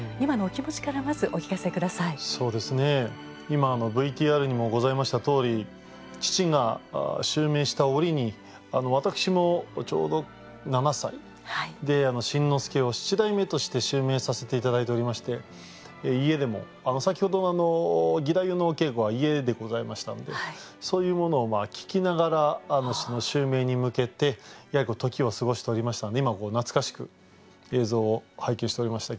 今ＶＴＲにもございましたとおり父が襲名した折に私もちょうど７歳で新之助を七代目として襲名させて頂いておりまして家でも先ほど義太夫のお稽古が家でございましたんでそういうものを聞きながら襲名に向けて時を過ごしておりましたので今懐かしく映像を拝見しておりましたけれど。